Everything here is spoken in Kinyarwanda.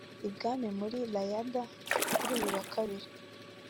I bwami muri Riyadh kuri uyu wa Kabiri